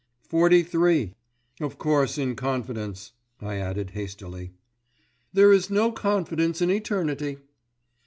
"Forty three. Of course in confidence," I added hastily. "There is no confidence in Eternity."